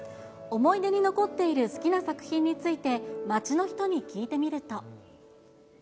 思い出に残っている好きな作品について、街の人に聞いてみると。